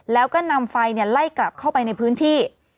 แล้วก็นำไฟไล่กลับเข้าไปในพื้นที่